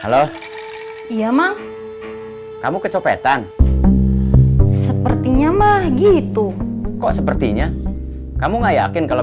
halo iya mah kamu kecopetan sepertinya mah gitu kok sepertinya kamu nggak yakin kalau